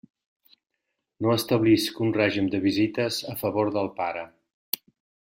No establisc un règim de visites a favor del pare.